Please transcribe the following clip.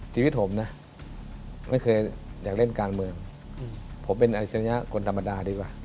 ชีวิตผมนะไม่เคยอยากเล่นการเมืองผมเป็นอาชริยะคนธรรมดาดีกว่า